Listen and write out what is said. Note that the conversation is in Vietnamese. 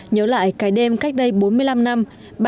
nhớ lại cái đêm cách đây bốn mươi năm năm